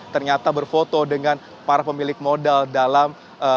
ternyata berfoto dengan para pemilik modal dalam